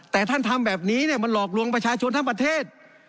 แต่ท่านทำแบบนี้มันหลอกลวงประชาชนทั้งประเทศ